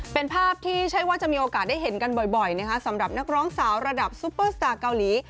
เป็นภาพที่ใช่ว่าจะมีโอกาสได้เห็นกันบ่อยนะคะสำหรับนักร้องสาวระดับซุปเปอร์สตาร์เกาหลี